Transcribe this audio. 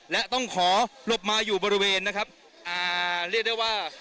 และต้องขอหลบมาอยู่บริเวณนะครับอ่าเรียกได้ว่า